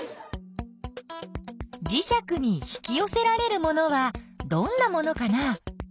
じしゃくに引きよせられるものはどんなものかな？